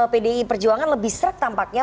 pdi perjuangan lebih serak tampaknya